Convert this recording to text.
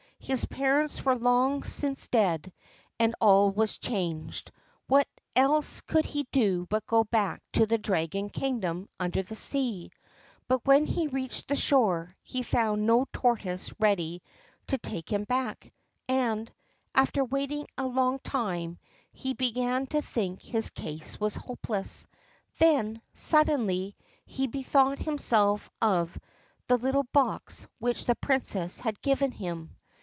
His parents were long since dead, and all was changed. What else could he do but go back to the Dragon kingdom under the sea ? But when he reached the shore, he found no tortoise ready to take him back, and, after waiting a long time, he began to think his case was hopeless. Then, suddenly, he bethought himself of the little box which the Princess had given him.